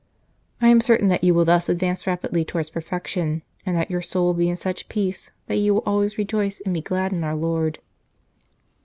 I am certain that you will thus advance rapidly towards perfec tion, and that your soul will be in such peace that you will always rejoice and be glad in our Lord."